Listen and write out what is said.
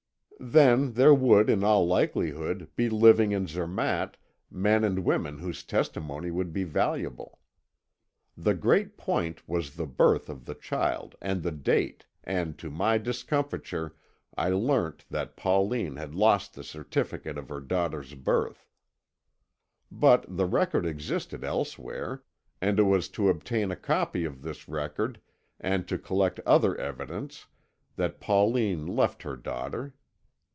Then there would, in all likelihood, be living in Zermatt men and women whose testimony would be valuable. The great point was the birth of the child and the date, and to my discomfiture I learnt that Pauline had lost the certificate of her daughter's birth. But the record existed elsewhere, and it was to obtain a copy of this record, and to collect other evidence, that Pauline left her daughter.